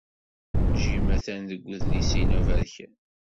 Jim atan deg wedlis-inu aberkan.